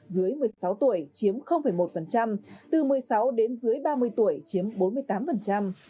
dưới một mươi sáu tuổi chiếm một từ một mươi sáu đến dưới ba mươi tuổi chiếm bốn mươi tám